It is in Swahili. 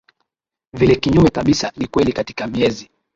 Vile kinyume kabisa ni kweli katika miezi